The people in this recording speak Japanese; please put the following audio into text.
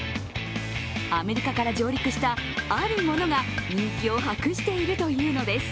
アメリカから上陸したあるものが人気を博しているというのです。